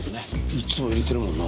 いっつも入れてるもんな。